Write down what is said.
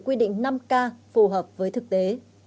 quy định năm k phù hợp với thực tế